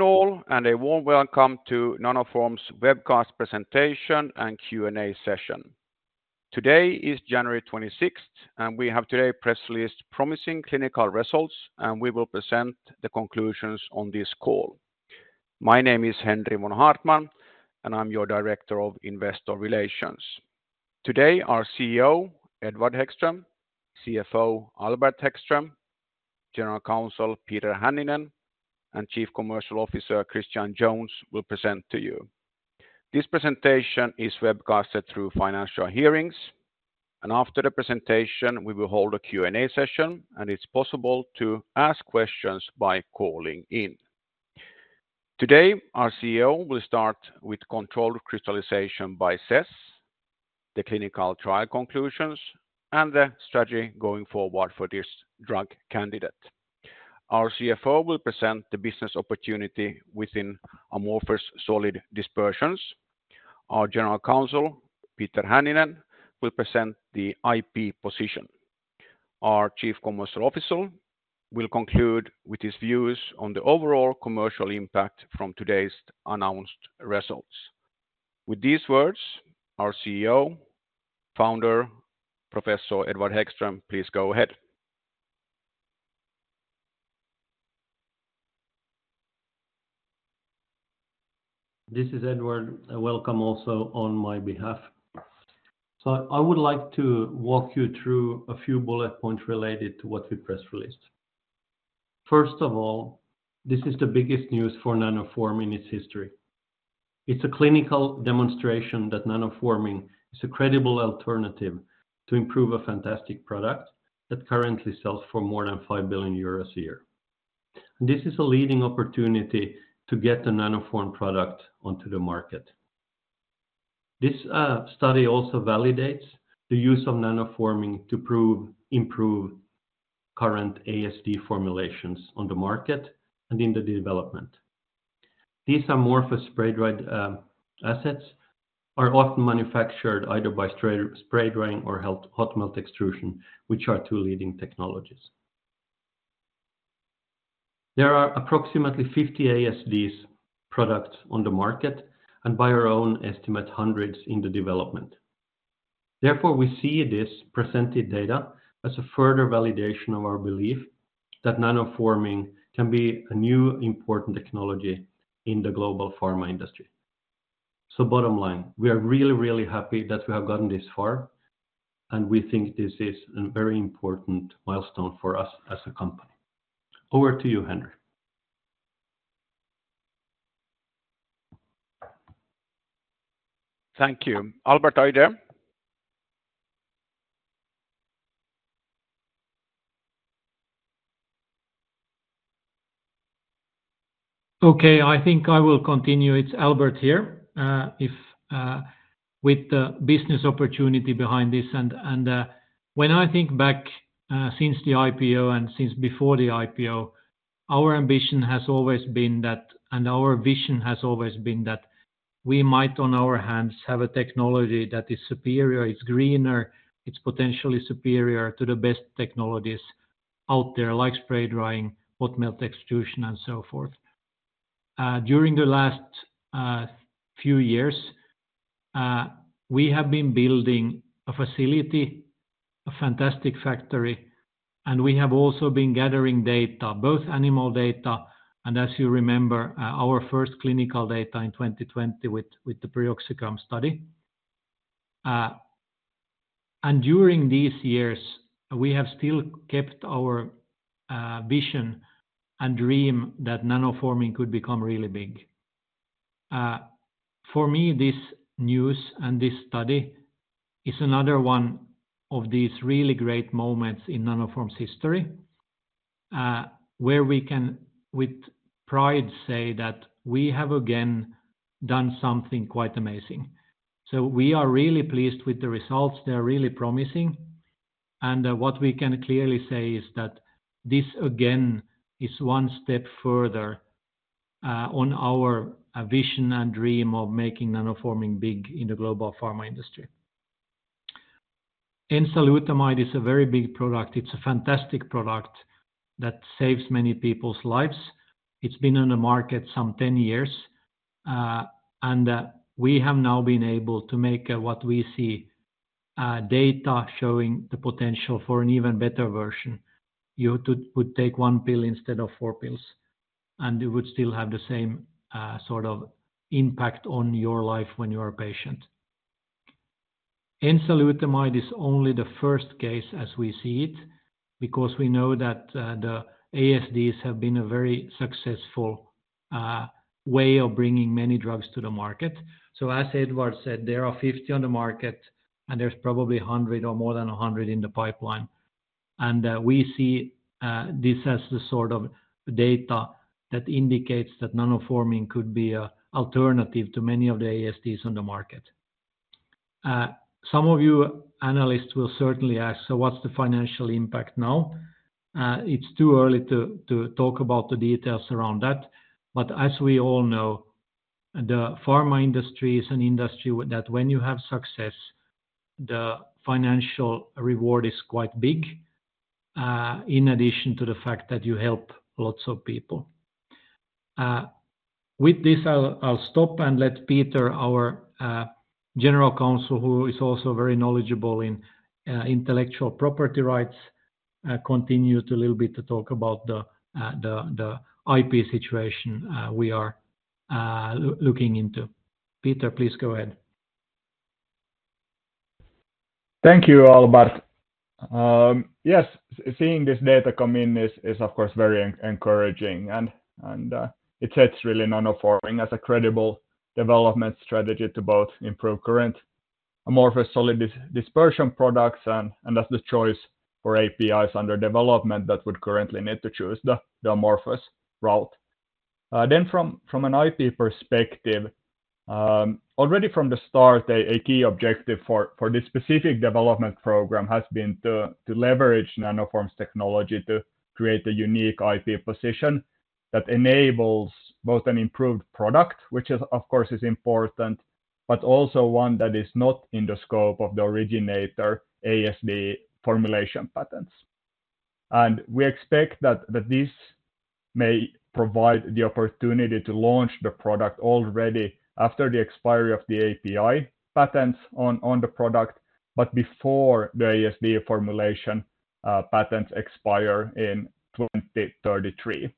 All, and a warm welcome to Nanoform's webcast presentation and Q&A session. Today is January 26th, and we have today press released promising clinical results, and we will present the conclusions on this call. My name is Henri von Haartman, and I'm your Director of Investor Relations. Today, our CEO, Edward Hæggström, CFO, Albert Hæggström, General Counsel, Peter Hänninen, and Chief Commercial Officer, Christian Jones, will present to you. This presentation is webcasted through Financial Hearings, and after the presentation, we will hold a Q&A session, and it's possible to ask questions by calling in. Today, our CEO will start with controlled crystallization by CESS, the clinical trial conclusions, and the strategy going forward for this drug candidate. Our CFO will present the business opportunity within amorphous solid dispersions. Our General Counsel, Peter Hänninen, will present the IP position. Our Chief Commercial Officer will conclude with his views on the overall commercial impact from today's announced results. With these words, our CEO, founder, Professor Edward Hæggström, please go ahead. This is Edward, and welcome also on my behalf. So I would like to walk you through a few bullet points related to what we press released. First of all, this is the biggest news for Nanoform in its history. It's a clinical demonstration that Nanoforming is a credible alternative to improve a fantastic product that currently sells for more than 5 billion euros a year. This is a leading opportunity to get the Nanoform product onto the market. This study also validates the use of Nanoforming to improve current ASD formulations on the market and in the development. These amorphous spray-dried assets are often manufactured either by spray-drying or hot melt extrusion, which are two leading technologies. There are approximately 50 ASDs products on the market, and by our own estimate, hundreds in the development. Therefore, we see this presented data as a further validation of our belief that Nanoforming can be a new important technology in the global pharma industry. So bottom line, we are really, really happy that we have gotten this far, and we think this is a very important milestone for us as a company. Over to you, Henri. Thank you. Albert, are you there? Okay, I think I will continue. It's Albert here. With the business opportunity behind this, and when I think back, since the IPO and since before the IPO, our ambition has always been that, and our vision has always been that we might, on our hands, have a technology that is superior, it's greener, it's potentially superior to the best technologies out there, like Spray Drying, Hot Melt Extrusion, and so forth. During the last few years, we have been building a facility, a fantastic factory, and we have also been gathering data, both animal data, and as you remember, our first clinical data in 2020 with the piroxicam study. During these years, we have still kept our vision and dream that Nanoforming could become really big. For me, this news and this study is another one of these really great moments in Nanoform's history, where we can with pride say that we have again done something quite amazing. So we are really pleased with the results. They're really promising, and what we can clearly say is that this, again, is one step further on our vision and dream of making Nanoforming big in the global pharma industry. Enzalutamide is a very big product. It's a fantastic product that saves many people's lives. It's been on the market some 10 years, and we have now been able to make what we see data showing the potential for an even better version. You would take one pill instead of four pills, and you would still have the same, sort of impact on your life when you are a patient. Enzalutamide is only the first case as we see it, because we know that, the ASDs have been a very successful, way of bringing many drugs to the market. So as Edward said, there are 50 on the market, and there's probably 100 or more than 100 in the pipeline. We see, this as the sort of data that indicates that Nanoforming could be a alternative to many of the ASDs on the market. Some of you analysts will certainly ask, "So what's the financial impact now?" It's too early to talk about the details around that, but as we all know, the pharma industry is an industry that when you have success, the financial reward is quite big... in addition to the fact that you help lots of people. With this, I'll stop and let Peter, our General Counsel, who is also very knowledgeable in intellectual property rights, continue a little bit to talk about the IP situation we are looking into. Peter, please go ahead. Thank you, Albert. Yes, seeing this data come in is, of course, very encouraging and it really sets Nanoform as a credible development strategy to both improve current amorphous solid dispersion products and as the choice for APIs under development that would currently need to choose the amorphous route. Then from an IP perspective, already from the start, a key objective for this specific development program has been to leverage Nanoform's technology to create a unique IP position that enables both an improved product, which is, of course, important, but also one that is not in the scope of the originator ASD formulation patents. And we expect that this may provide the opportunity to launch the product already after the expiry of the API patents on the product, but before the ASD formulation patents expire in 2033.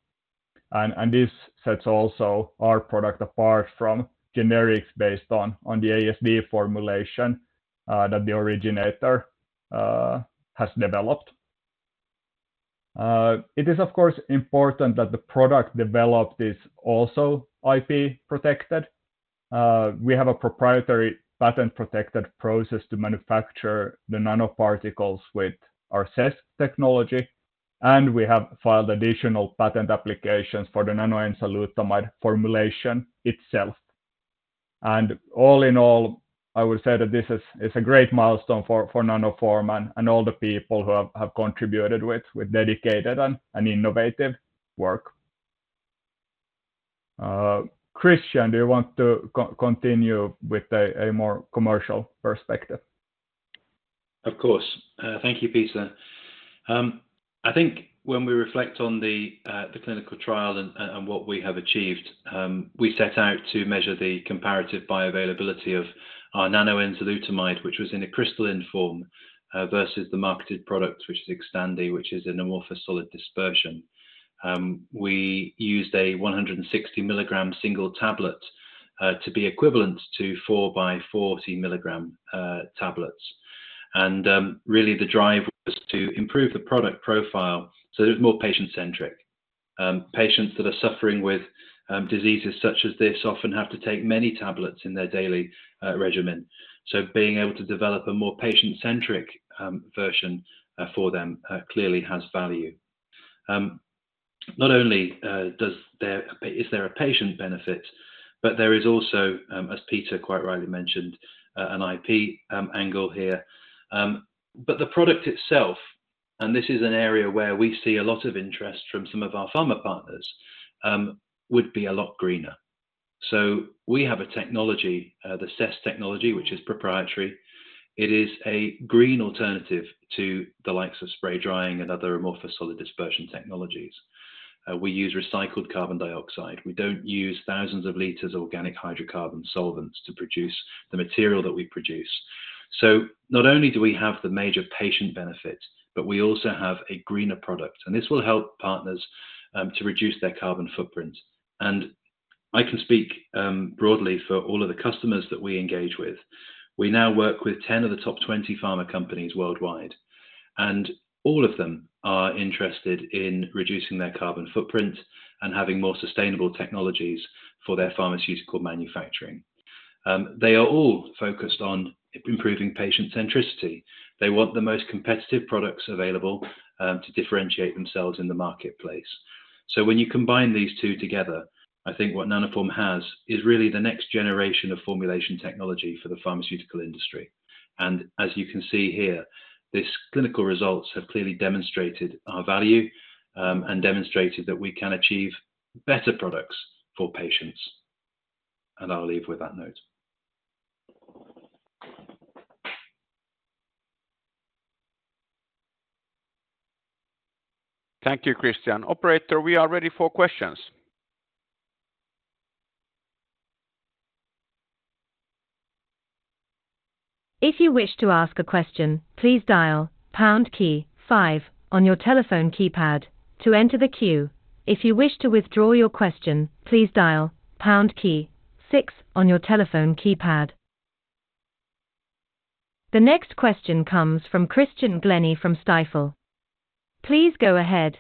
And this sets also our product apart from generics based on the ASD formulation that the originator has developed. It is, of course, important that the product developed is also IP protected. We have a proprietary patent-protected process to manufacture the nanoparticles with our CESS technology, and we have filed additional patent applications for the nanoenzalutamide formulation itself. And all in all, I would say that this is a great milestone for Nanoform and all the people who have contributed with dedicated and innovative work. Christian, do you want to continue with a more commercial perspective? Of course. Thank you, Peter. I think when we reflect on the clinical trial and what we have achieved, we set out to measure the comparative bioavailability of our nanoenzalutamide, which was in a crystalline form, versus the marketed product, which is Xtandi, which is an amorphous solid dispersion. We used a 160 mg single tablet to be equivalent to four by 40 mg tablets. Really, the drive was to improve the product profile, so it was more patient-centric. Patients that are suffering with diseases such as this often have to take many tablets in their daily regimen. So being able to develop a more patient-centric version for them clearly has value. Not only is there a patient benefit, but there is also, as Peter quite rightly mentioned, an IP angle here. But the product itself, and this is an area where we see a lot of interest from some of our pharma partners, would be a lot greener. So we have a technology, the CESS technology, which is proprietary. It is a green alternative to the likes of spray drying and other amorphous solid dispersion technologies. We use recycled carbon dioxide. We don't use thousands of liters of organic hydrocarbon solvents to produce the material that we produce. So not only do we have the major patient benefit, but we also have a greener product, and this will help partners to reduce their carbon footprint. I can speak broadly for all of the customers that we engage with. We now work with 10 of the top 20 pharma companies worldwide, and all of them are interested in reducing their carbon footprint and having more sustainable technologies for their pharmaceutical manufacturing. They are all focused on improving patient centricity. They want the most competitive products available to differentiate themselves in the marketplace. So when you combine these two together, I think what Nanoform has is really the next generation of formulation technology for the pharmaceutical industry. And as you can see here, this clinical results have clearly demonstrated our value and demonstrated that we can achieve better products for patients. And I'll leave with that note. Thank you, Christian. Operator, we are ready for questions. If you wish to ask a question, please dial pound key five on your telephone keypad to enter the queue. If you wish to withdraw your question, please dial pound key six on your telephone keypad. The next question comes from Christian Glennie from Stifel. Please go ahead.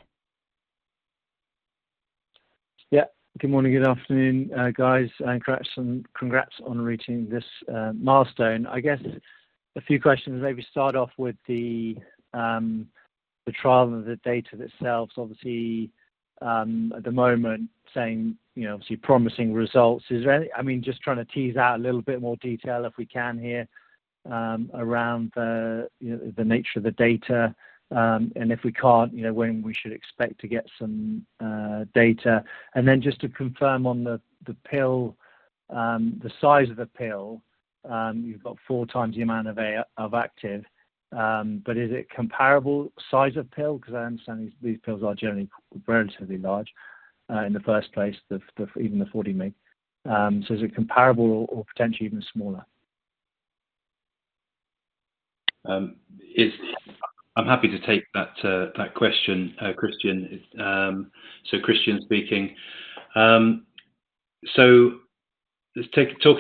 Yeah. Good morning, good afternoon, guys, and congrats, and congrats on reaching this milestone. I guess a few questions, maybe start off with the trial and the data themselves. Obviously, at the moment, saying, you know, obviously promising results. Is there any... I mean, just trying to tease out a little bit more detail, if we can here, around the nature of the data, and if we can't, you know, when we should expect to get some data. And then just to confirm on the pill, the size of the pill, you've got 4x the amount of active. But is it comparable size of pill? 'Cause I understand these pills are generally relatively large, in the first place, even the 40 mg. Is it comparable or potentially even smaller? I'm happy to take that question, Christian. So, Christian speaking. Talking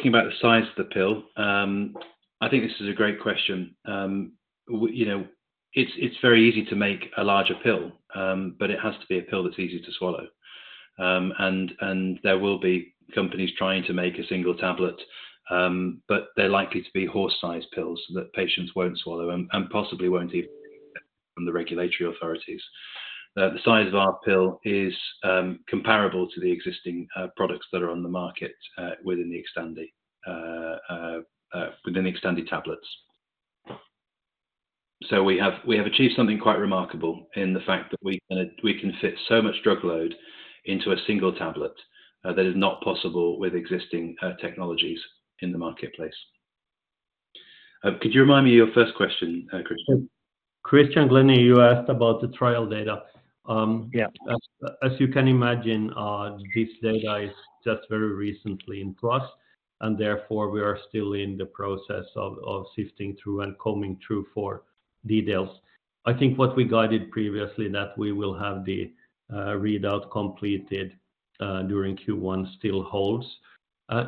about the size of the pill, I think this is a great question. You know, it's very easy to make a larger pill, but it has to be a pill that's easy to swallow. And there will be companies trying to make a single tablet, but they're likely to be horse-sized pills that patients won't swallow and possibly won't even from the regulatory authorities. The size of our pill is comparable to the existing products that are on the market within the Xtandi tablets. So we have achieved something quite remarkable in the fact that we can fit so much drug load into a single tablet, that is not possible with existing technologies in the marketplace. Could you remind me your first question, Christian? Christian Glennie, you asked about the trial data. Yeah. As you can imagine, this data is just very recently into us, and therefore, we are still in the process of sifting through and combing through for details. I think what we guided previously, that we will have the readout completed during Q1 still holds.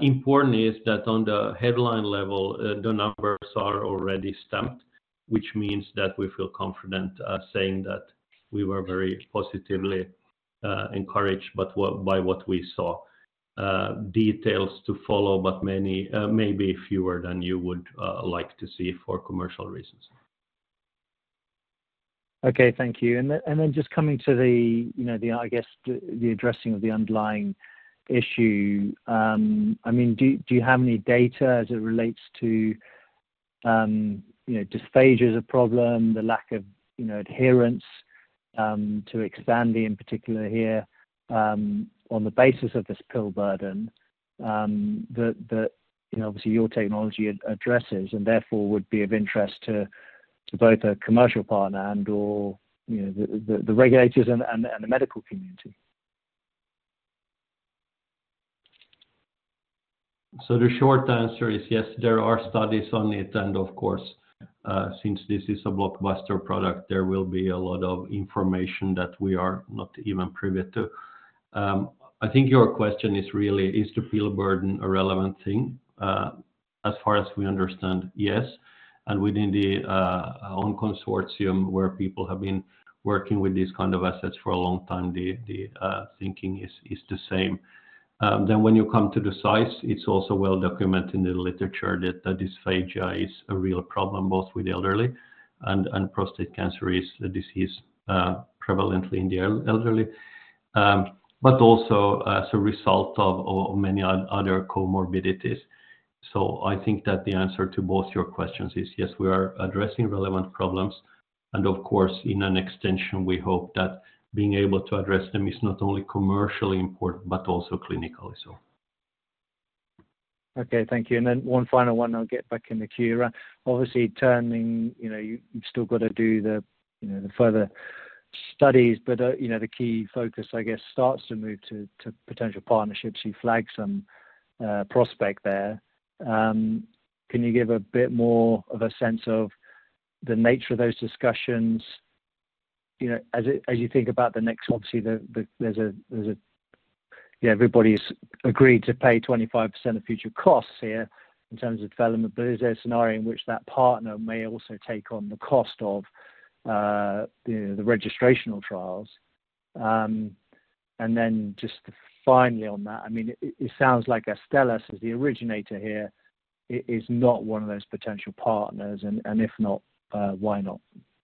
Important is that on the headline level, the numbers are already stamped, which means that we feel confident saying that we were very positively encouraged by what we saw. Details to follow, but many, maybe fewer than you would like to see for commercial reasons. Okay, thank you. And then just coming to the, you know, the addressing of the underlying issue. I mean, do you have any data as it relates to, you know, dysphagia as a problem, the lack of, you know, adherence to Xtandi, in particular here, on the basis of this pill burden, that you know, obviously your technology addresses and therefore would be of interest to both a commercial partner and, or, you know, the regulators and the medical community? So the short answer is yes, there are studies on it and of course, since this is a blockbuster product, there will be a lot of information that we are not even privy to. I think your question is really, is the pill burden a relevant thing? As far as we understand, yes, and within our own consortium, where people have been working with these kind of assets for a long time, the thinking is the same. Then when you come to the size, it's also well documented in the literature that the dysphagia is a real problem, both with the elderly and prostate cancer is a disease, prevalently in the elderly, but also as a result of many other comorbidities. I think that the answer to both your questions is yes, we are addressing relevant problems, and of course, in an extension, we hope that being able to address them is not only commercially important, but also clinically so. Okay, thank you. And then one final one, I'll get back in the queue. Obviously, turning... You know, you, you've still got to do the, you know, the further studies, but, you know, the key focus, I guess, starts to move to, to potential partnerships. You flagged some prospect there. Can you give a bit more of a sense of the nature of those discussions? You know, as it, as you think about the next... Obviously, the, the, there's a, there's a, yeah, everybody's agreed to pay 25% of future costs here in terms of development, but is there a scenario in which that partner may also take on the cost of, you know, the registrational trials? And then just finally on that, I mean, it sounds like Astellas is the originator here, is not one of those potential partners, and if not, why not?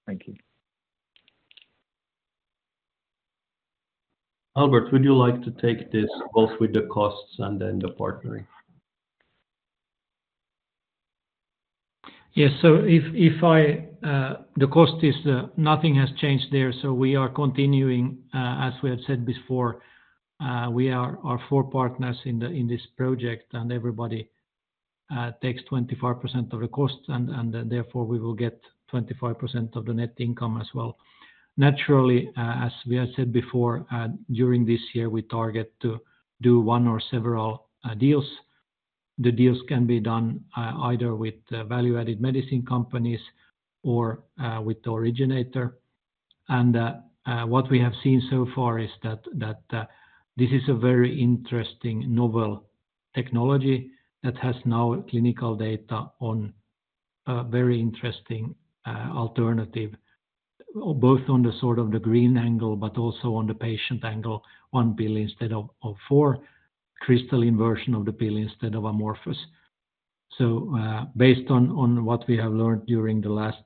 Thank you. Albert, would you like to take this both with the costs and then the partnering? Yes. So, the cost is nothing has changed there, so we are continuing as we have said before. We are our four partners in this project, and everybody takes 25% of the cost, and therefore we will get 25% of the net income as well. Naturally, as we have said before, during this year we target to do one or several deals. The deals can be done either with the value-added medicine companies or with the originator. What we have seen so far is that this is a very interesting novel technology that has now clinical data on a very interesting alternative, both on the sort of the green angle, but also on the patient angle, one pill instead of four, crystalline version of the pill instead of amorphous. So, based on what we have learned during the last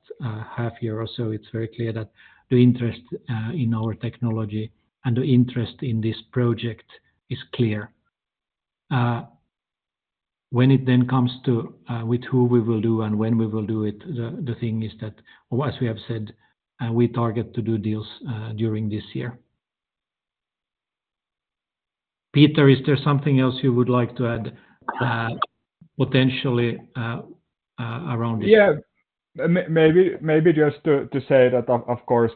half year or so, it's very clear that the interest in our technology and the interest in this project is clear. When it then comes to with who we will do and when we will do it, the thing is that, as we have said, we target to do deals during this year. Peter, is there something else you would like to add, potentially, around? Yeah. Maybe just to say that of course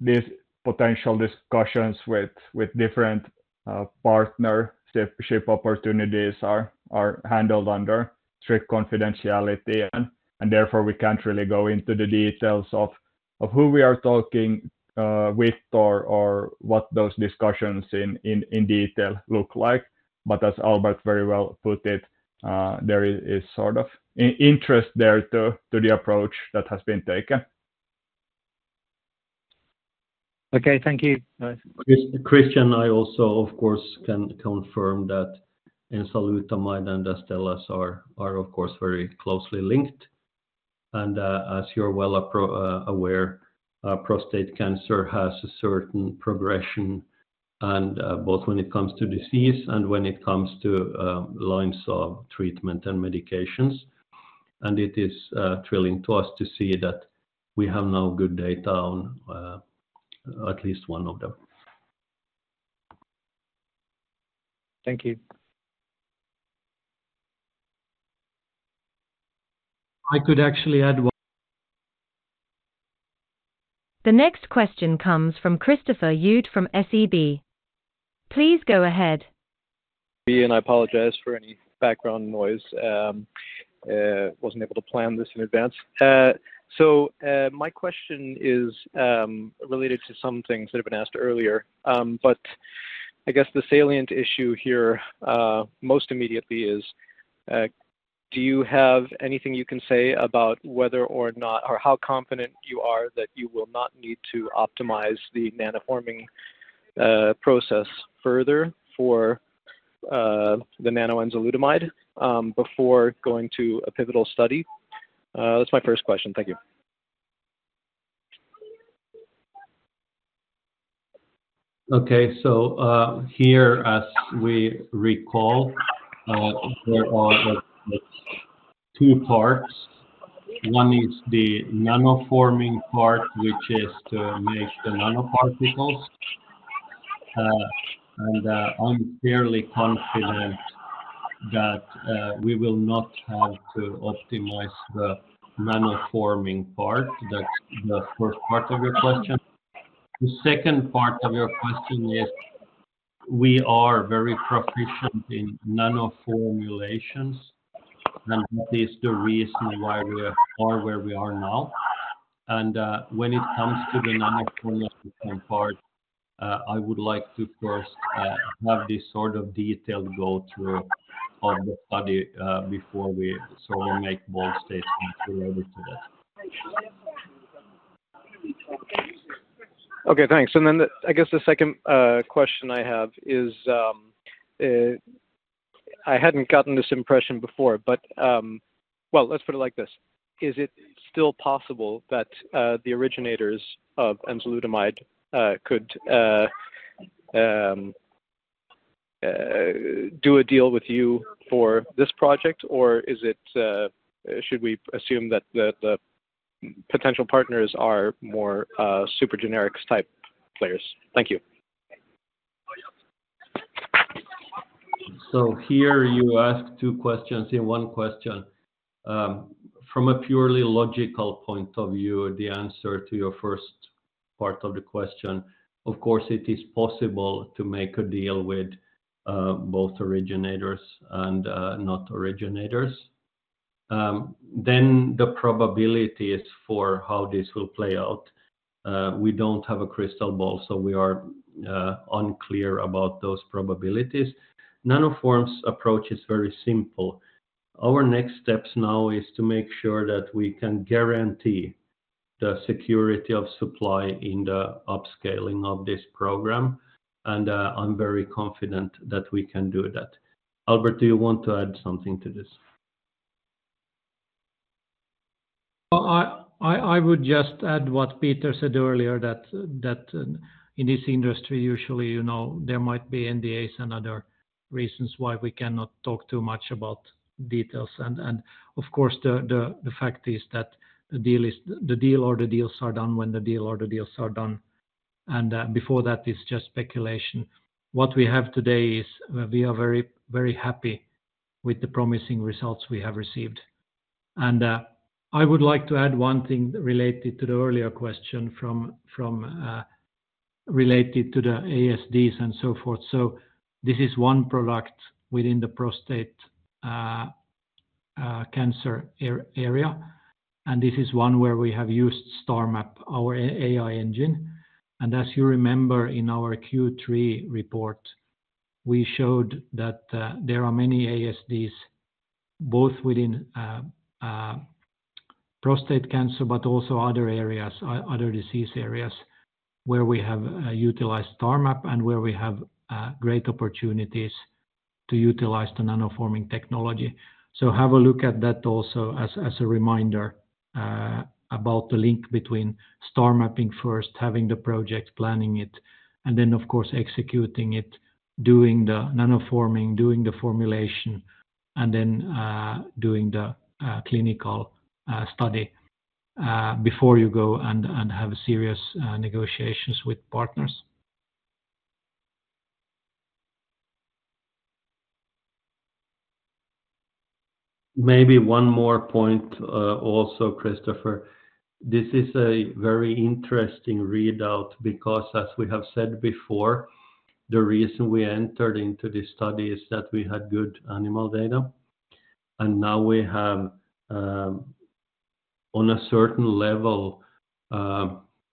these potential discussions with different partnership opportunities are handled under strict confidentiality, and therefore we can't really go into the details of who we are talking with or what those discussions in detail look like. But as Albert very well put it, there is sort of interest there to the approach that has been taken. Okay, thank you. Christian, I also, of course, can confirm that enzalutamide and Astellas are, of course, very closely linked. And, as you're well aware, prostate cancer has a certain progression, and, both when it comes to disease and when it comes to, lines of treatment and medications. And it is, thrilling to us to see that we have now good data on, at least one of them. Thank you. I could actually add one- The next question comes from Christopher Uhde from SEB. Please go ahead. I apologize for any background noise. Wasn't able to plan this in advance. My question is related to some things that have been asked earlier. But I guess the salient issue here most immediately is, do you have anything you can say about whether or not, or how confident you are that you will not need to optimize the nanoforming process further for the nanoenzalutamide before going to a pivotal study? That's my first question. Thank you. Okay. So, here, as we recall, there are two parts. One is the Nanoforming part, which is to make the nanoparticles. And, I'm fairly confident that we will not have to optimize the Nanoforming part. That's the first part of your question. The second part of your question is, we are very proficient in nanoformulations, and that is the reason why we are where we are now. And, when it comes to the nanoformulation part, I would like to first have this sort of detailed go through of the study, before we sort of make bold statements related to that. Okay, thanks. And then the second, I guess, question I have is, I hadn't gotten this impression before, but... Well, let's put it like this, is it still possible that the originators of enzalutamide could do a deal with you for this project? Or is it, should we assume that the potential partners are more super generics-type players? Thank you. So here you ask two questions in one question. From a purely logical point of view, the answer to your first part of the question, of course, it is possible to make a deal with both originators and not originators. Then the probabilities for how this will play out, we don't have a crystal ball, so we are unclear about those probabilities. Nanoform's approach is very simple. Our next steps now is to make sure that we can guarantee the security of supply in the upscaling of this program, and I'm very confident that we can do that. Albert, do you want to add something to this? Well, I would just add what Peter said earlier, that in this industry, usually, you know, there might be NDAs and other reasons why we cannot talk too much about details. And of course, the fact is that the deal is, the deal or the deals are done when the deal or the deals are done, and before that, it's just speculation. What we have today is we are very, very happy with the promising results we have received. And I would like to add one thing related to the earlier question related to the ASDs and so forth. So this is one product within the prostate cancer area, and this is one where we have used StarMap, our AI engine. As you remember in our Q3 report, we showed that there are many ASDs, both within prostate cancer, but also other areas, other disease areas, where we have utilized StarMap and where we have great opportunities to utilize the Nanoforming technology. Have a look at that also as a reminder about the link between StarMapping first, having the project, planning it, and then, of course, executing it, doing the Nanoforming, doing the formulation, and then doing the clinical study before you go and have serious negotiations with partners. Maybe one more point, also, Christopher, this is a very interesting readout because as we have said before, the reason we entered into this study is that we had good animal data, and now we have, on a certain level,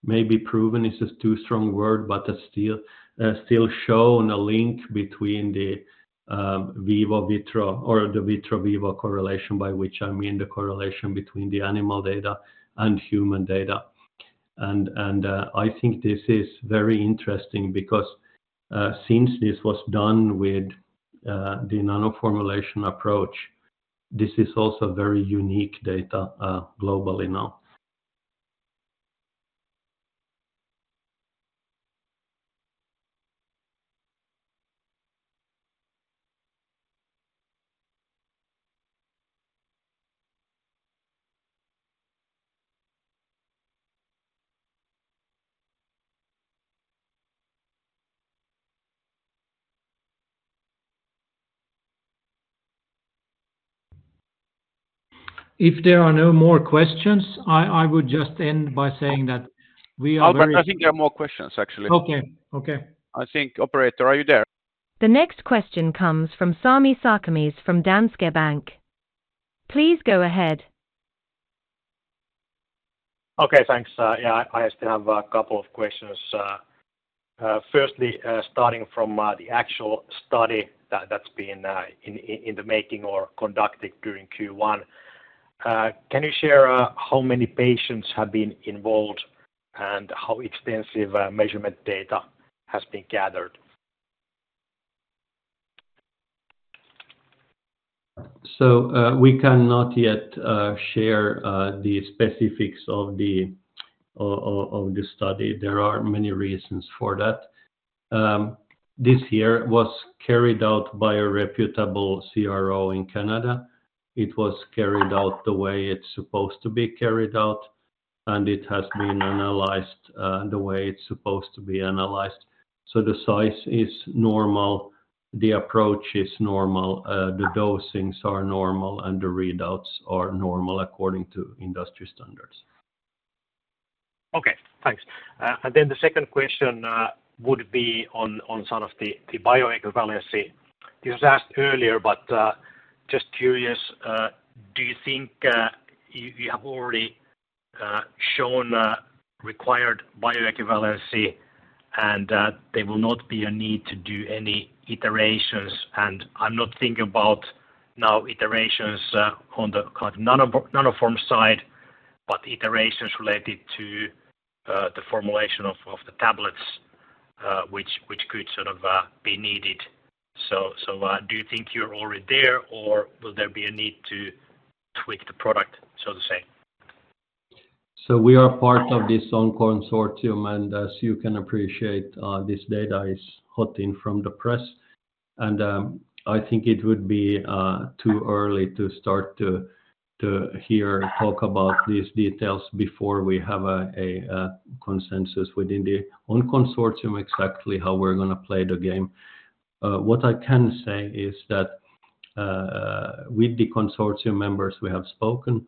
maybe proven is a too strong word, but still shown a link between the in vitro-in vivo correlation, by which I mean the correlation between the animal data and human data. And I think this is very interesting because, since this was done with the nanoformulation approach, this is also very unique data, globally now. If there are no more questions, I would just end by saying that we are very- Albert, I think there are more questions, actually. Okay, okay. I think, operator, are you there? The next question comes from Sami Sarkamies from Danske Bank. Please go ahead. Okay, thanks. Yeah, I still have a couple of questions. Firstly, starting from the actual study that's been in the making or conducted during Q1. Can you share how many patients have been involved? And how extensive measurement data has been gathered? We cannot yet share the specifics of the study. There are many reasons for that. This year was carried out by a reputable CRO in Canada. It was carried out the way it's supposed to be carried out, and it has been analyzed the way it's supposed to be analyzed. The size is normal, the approach is normal, the dosings are normal, and the readouts are normal according to industry standards. Okay, thanks. And then the second question would be on sort of the bioequivalence. This was asked earlier, but just curious, do you think you have already shown required bioequivalence and that there will not be a need to do any iterations? And I'm not thinking about now iterations on the kind of nano, Nanoform side, but iterations related to the formulation of the tablets, which could sort of be needed. So, do you think you're already there, or will there be a need to tweak the product, so to say? So we are part of this own consortium, and as you can appreciate, this data is hot in from the press, and I think it would be too early to start to hear or talk about these details before we have a consensus within the own consortium, exactly how we're gonna play the game. What I can say is that, with the consortium members we have spoken,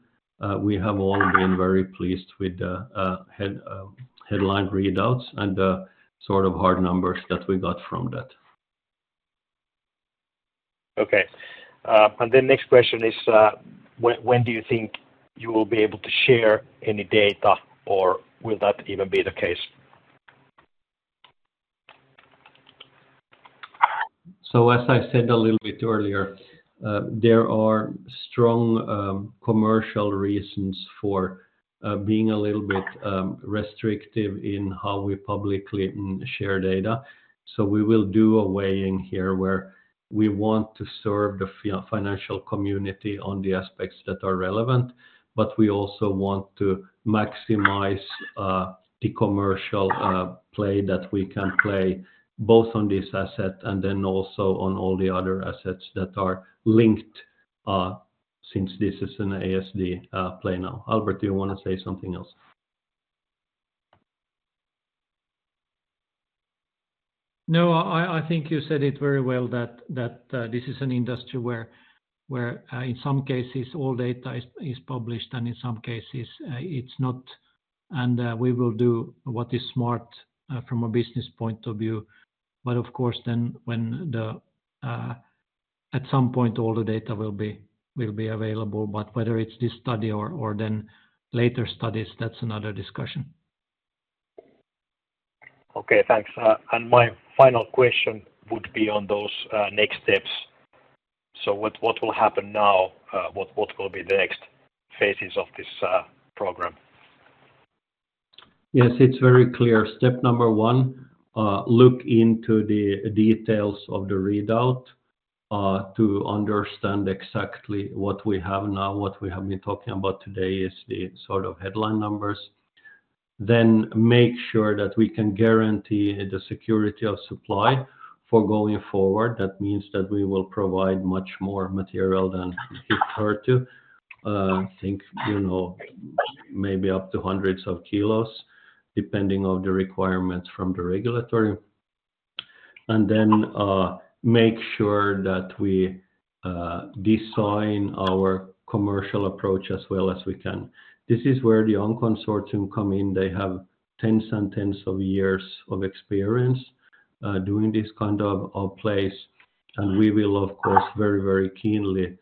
we have all been very pleased with the headline readouts and the sort of hard numbers that we got from that. Okay. And then next question is, when, when do you think you will be able to share any data, or will that even be the case? So as I said a little bit earlier, there are strong commercial reasons for being a little bit restrictive in how we publicly share data. So we will do a weighing here, where we want to serve the financial community on the aspects that are relevant, but we also want to maximize the commercial play that we can play, both on this asset and then also on all the other assets that are linked, since this is an ASD play now. Albert, do you wanna say something else? No, I think you said it very well that this is an industry where in some cases, all data is published, and in some cases it's not, and we will do what is smart from a business point of view. But of course, then at some point, all the data will be, will be available, but whether it's this study or, or then later studies, that's another discussion. Okay, thanks. My final question would be on those next steps. So what will happen now? What will be the next phases of this program? Yes, it's very clear. Step number one, look into the details of the readout, to understand exactly what we have now. What we have been talking about today is the sort of headline numbers... then make sure that we can guarantee the security of supply for going forward. That means that we will provide much more material than we've started to, think, you know, maybe up to hundreds of kilos, depending on the requirements from the regulatory. And then, make sure that we, design our commercial approach as well as we can. This is where the OnConcept come in. They have tens and tens of years of experience, doing this kind of, of place, and we will, of course, very, very keenly,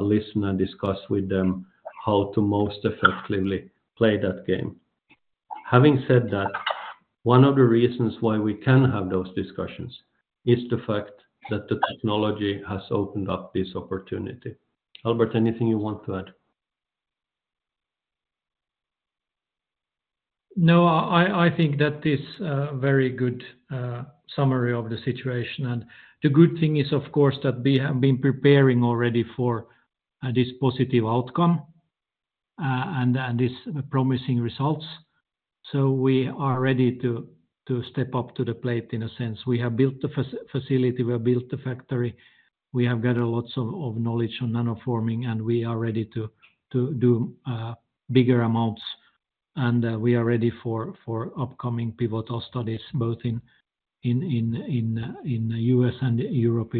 listen and discuss with them how to most effectively play that game. Having said that, one of the reasons why we can have those discussions is the fact that the technology has opened up this opportunity. Albert, anything you want to add? No, I think that is a very good summary of the situation. And the good thing is, of course, that we have been preparing already for this positive outcome, and these promising results, so we are ready to step up to the plate in a sense. We have built the facility, we have built the factory, we have gathered lots of knowledge on nanoforming, and we are ready to do bigger amounts, and we are ready for upcoming pivotal studies, both in the U.S. and Europe,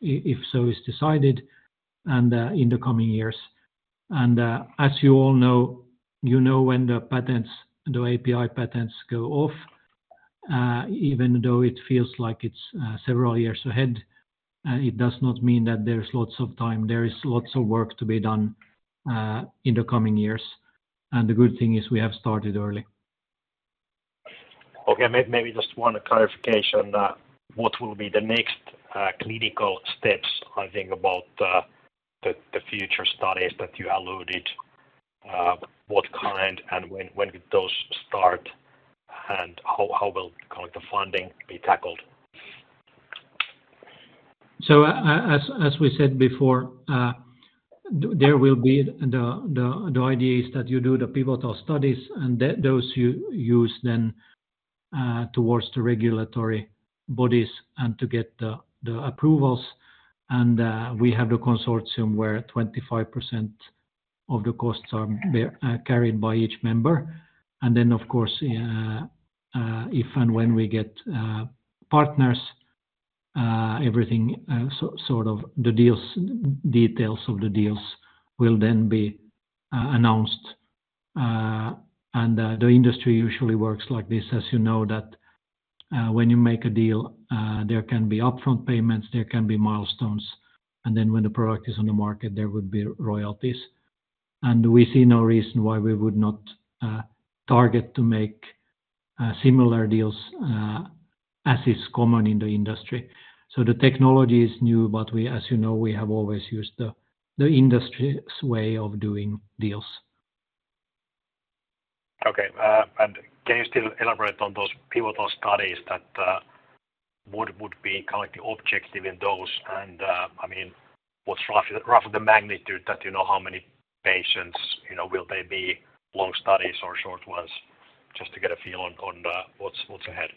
if so is decided, and in the coming years. And, as you all know, you know, when the patents, the API patents go off, even though it feels like it's several years ahead, it does not mean that there's lots of time. There is lots of work to be done, in the coming years, and the good thing is we have started early. Okay, maybe just one clarification. What will be the next clinical steps, I think, about the future studies that you alluded? What kind, and when would those start, and how will kind of the funding be tackled? So, as we said before, there will be the idea is that you do the pivotal studies, and those you use then towards the regulatory bodies and to get the approvals. And we have the consortium where 25% of the costs are carried by each member. And then, of course, if and when we get partners, everything sort of the details of the deals will then be announced. And the industry usually works like this, as you know, when you make a deal, there can be upfront payments, there can be milestones, and then when the product is on the market, there would be royalties. And we see no reason why we would not target to make similar deals as is common in the industry. The technology is new, but we, as you know, we have always used the industry's way of doing deals. Okay, and can you still elaborate on those pivotal studies that, what would be kind of the objective in those? And, I mean, what's roughly the magnitude that you know, how many patients, you know, will they be long studies or short ones? Just to get a feel on, on, what's ahead.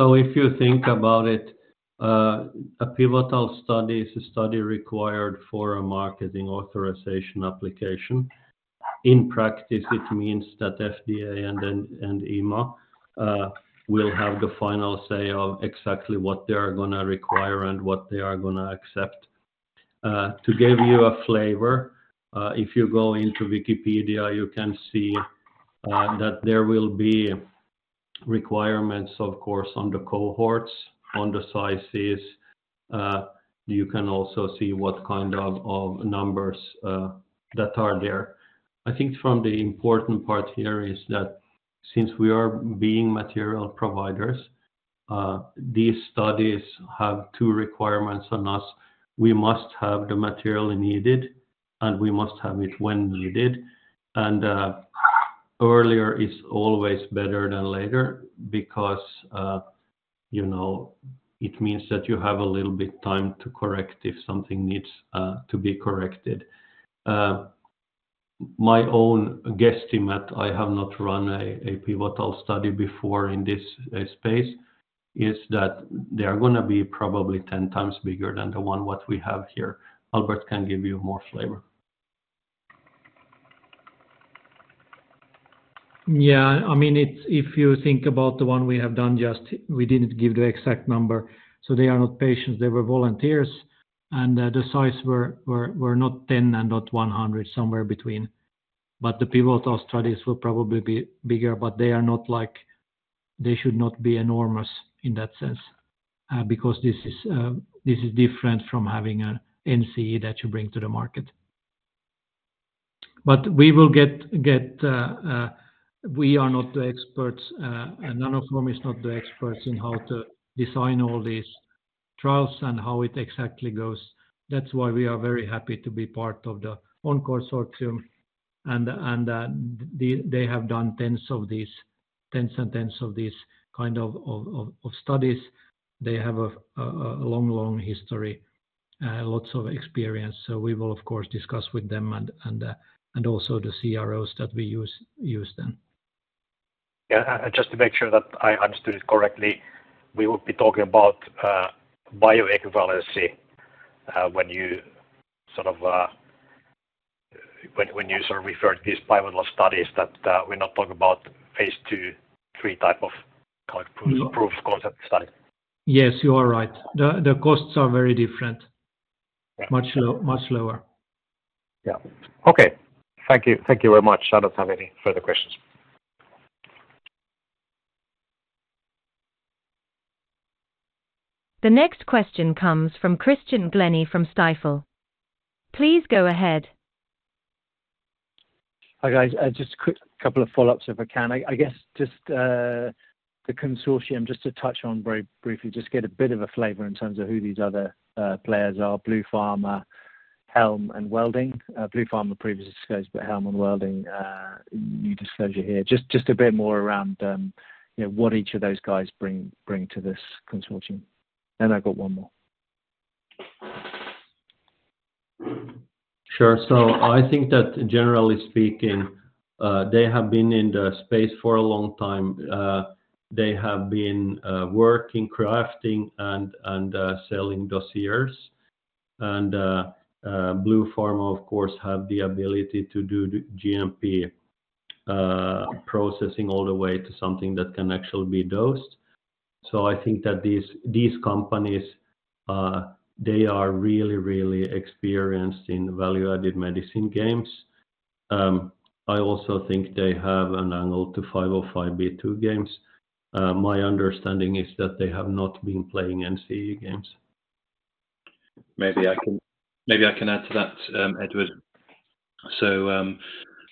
If you think about it, a pivotal study is a study required for a marketing authorization application. In practice, it means that FDA and EMA will have the final say of exactly what they are gonna require and what they are gonna accept. To give you a flavor, if you go into Wikipedia, you can see that there will be requirements, of course, on the cohorts, on the sizes. You can also see what kind of numbers that are there. I think from the important part here is that since we are being material providers, these studies have two requirements on us. We must have the material needed, and we must have it when needed. Earlier is always better than later because, you know, it means that you have a little bit time to correct if something needs to be corrected. My own guesstimate, I have not run a pivotal study before in this space, is that they are gonna be probably 10x bigger than the one what we have here. Albert can give you more flavor. Yeah, I mean, if you think about the one we have done, just we didn't give the exact number. So they are not patients, they were volunteers, and the size were not 10 and not 100, somewhere between. But the pivotal studies will probably be bigger, but they are not like they should not be enormous in that sense, because this is different from having an NCE that you bring to the market. But we will get we are not the experts, and Nanoform is not the experts in how to design all these trials and how it exactly goes. That's why we are very happy to be part of the ONConcept, and they have done tens of these tens and tens of these kind of studies. They have a long history.... lots of experience, so we will of course discuss with them and also the CROs that we use then. Yeah. Just to make sure that I understood it correctly, we will be talking about bioequivalence when you sort of referred to these biological studies, that we're not talking about phase II, III type of kind of proof of concept study? Yes, you are right. The costs are very different. Right. Much lower. Yeah. Okay. Thank you. Thank you very much. I don't have any further questions. The next question comes from Christian Glennie from Stifel. Please go ahead. Hi, guys. Just a quick couple of follow-ups, if I can. I guess just the consortium, just to touch on very briefly, just get a bit of a flavor in terms of who these other players are, Bluepharma, Helm, and Welding. Bluepharma previously discussed, but Helm and Welding, new disclosure here. Just a bit more around, you know, what each of those guys bring to this consortium. Then I've got one more. Sure. So I think that generally speaking, they have been in the space for a long time. They have been working, crafting, and selling dossiers. And Bluepharma, of course, have the ability to do the GMP processing all the way to something that can actually be dosed. So I think that these companies they are really, really experienced in value-added medicine games. I also think they have an angle to 505(b)(2) games. My understanding is that they have not been playing NCE games. Maybe I can add to that, Edward. So,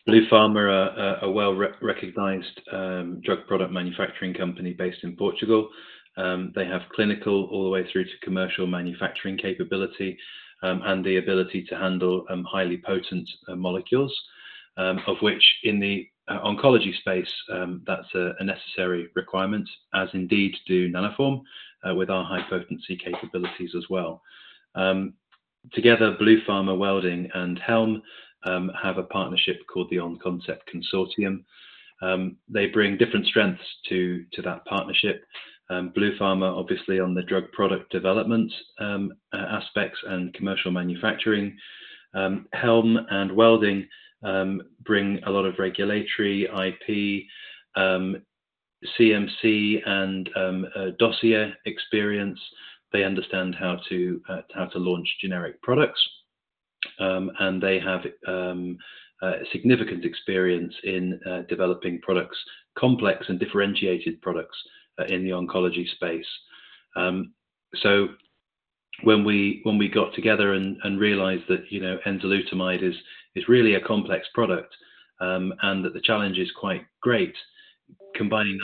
Bluepharma are a well-recognized drug product manufacturing company based in Portugal. They have clinical all the way through to commercial manufacturing capability, and the ability to handle highly potent molecules, of which in the oncology space, that's a necessary requirement, as indeed do Nanoform with our high potency capabilities as well. Together, Bluepharma, Welding, and Helm have a partnership called the ONConcept Consortium. They bring different strengths to that partnership. Bluepharma, obviously on the drug product development aspects and commercial manufacturing. Helm and Welding bring a lot of regulatory IP, CMC, and dossier experience. They understand how to launch generic products, and they have significant experience in developing products, complex and differentiated products, in the oncology space. So when we got together and realized that, you know, enzalutamide is really a complex product, and that the challenge is quite great, combining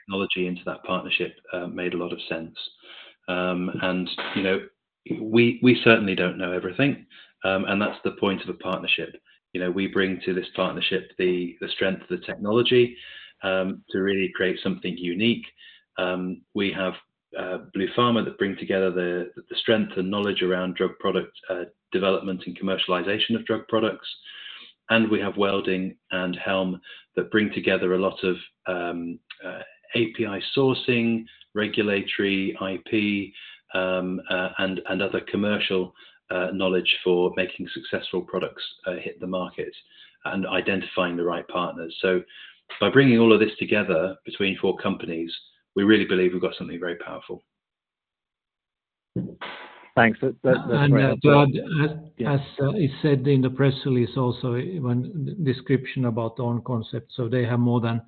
technology into that partnership made a lot of sense. And, you know, we certainly don't know everything, and that's the point of the partnership. You know, we bring to this partnership the strength of the technology to really create something unique. We have Bluepharma that bring together the strength and knowledge around drug product development and commercialization of drug products. And we have Welding and Helm that bring together a lot of API sourcing, regulatory, IP, and other commercial knowledge for making successful products hit the market and identifying the right partners. So by bringing all of this together between four companies, we really believe we've got something very powerful. Thanks. That And as he said in the press release, also, in the description about ONConcept, so they have more than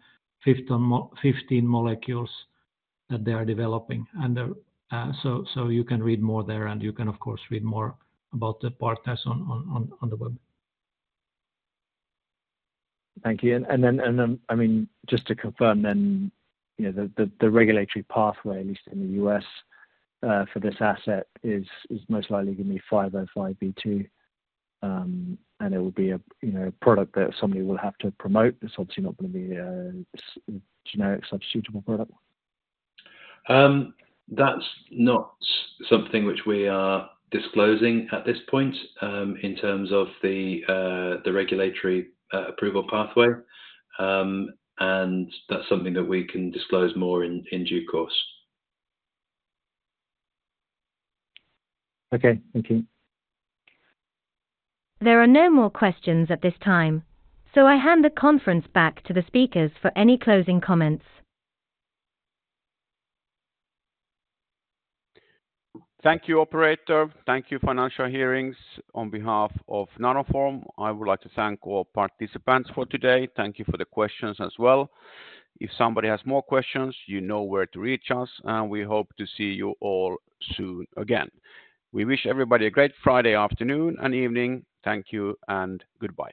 15 molecules that they are developing. And so you can read more there, and you can, of course, read more about the partners on the web. Thank you. Then, I mean, just to confirm then, you know, the regulatory pathway, at least in the U.S., for this asset is most likely gonna be 505(b)(2), and it would be a, you know, product that somebody will have to promote. It's obviously not gonna be a generic substitutable product. That's not something which we are disclosing at this point, in terms of the regulatory approval pathway. That's something that we can disclose more in due course. Okay. Thank you. There are no more questions at this time, so I hand the conference back to the speakers for any closing comments. Thank you, operator. Thank you, Financial Hearings. On behalf of Nanoform, I would like to thank all participants for today. Thank you for the questions as well. If somebody has more questions, you know where to reach us, and we hope to see you all soon again. We wish everybody a great Friday afternoon and evening. Thank you and goodbye.